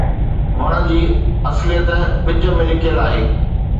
وڻ جي اصليت ٻج ۾ لڪيل آهي.